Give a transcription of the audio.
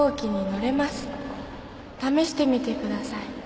試してみてください。